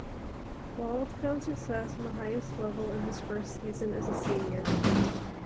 Walde found success on the highest level in his first season as a senior.